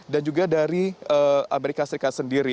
dan juga dari amerika serikat sendiri